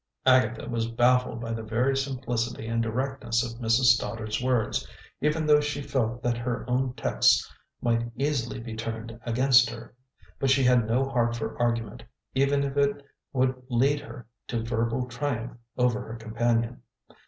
Agatha was baffled by the very simplicity and directness of Mrs. Stoddard's words, even though she felt that her own texts might easily be turned against her. But she had no heart for argument, even if it would lead her to verbal triumph over her companion.